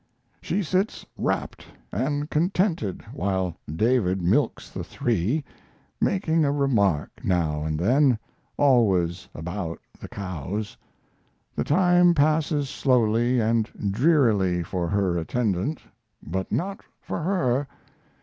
She sits rapt and contented while David milks the three, making a remark now and then always about the cows. The time passes slowly and drearily for her attendant, but not for her.